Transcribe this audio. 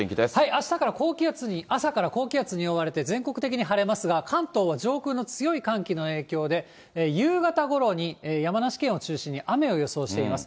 あしたから高気圧に、朝から高気圧に覆われて、全国的に晴れますが、関東は上空の強い寒気の影響で、夕方ごろに山梨県を中心に雨を予想しています。